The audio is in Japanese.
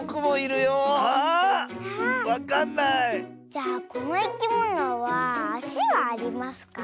じゃあこのいきものはあしはありますか？